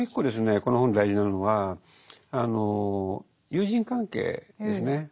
この本で大事なのは友人関係ですね。